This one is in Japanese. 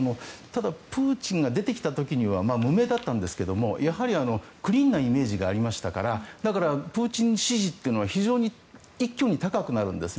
ただ、プーチンが出てきた時には無名だったんですがやはりクリーンなイメージがありましたからだから、プーチン支持というのは一挙に高くなるんです。